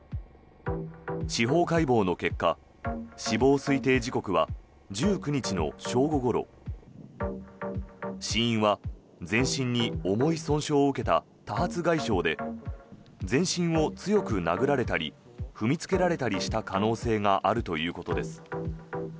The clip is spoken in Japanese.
司法解剖の結果死亡推定時刻は１９日の正午ごろ死因は全身に重い損傷を受けた多発外傷で全身を強く殴られたり踏みつけられたりした可能性があるということです。